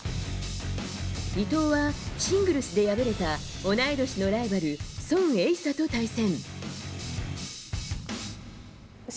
伊藤はシングルスで敗れた同い年のライバルソン・エイサと対戦。